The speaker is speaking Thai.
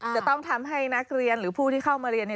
จะต้องทำให้นักเรียนหรือผู้ที่เข้ามาเรียน